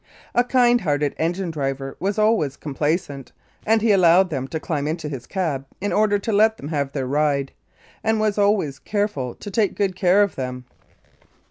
A kind hearted engine driver was always complaisant, and he allowed them to climb into his cab in order to let them have their "ride," and was always careful to take good care of them.